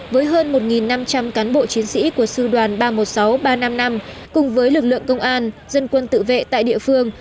với hơn một năm trăm linh cán bộ chiến sĩ của sư đoàn ba trăm một mươi sáu ba trăm năm mươi năm cùng với lực lượng công an dân quân tự vệ tại địa phương